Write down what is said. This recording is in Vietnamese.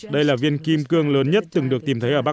đây là viên kim cương lớn nhất từng được tìm thấy ở bắc